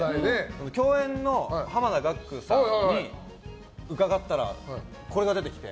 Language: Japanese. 共演の濱田岳さんに伺ったらこれが出てきて。